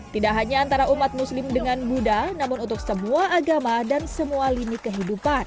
tidak hanya antara umat muslim dengan buddha namun untuk semua agama dan semua lini kehidupan